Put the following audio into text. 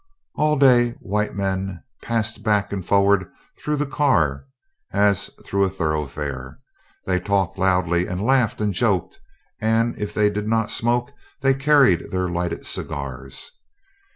All day white men passed back and forward through the car as through a thoroughfare. They talked loudly and laughed and joked, and if they did not smoke they carried their lighted cigars.